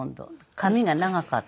髪が長かった。